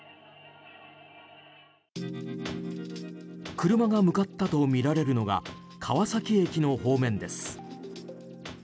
車が向かったとみられるのが川崎駅の方面です。